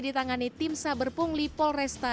ditangani tim saber pungli polresta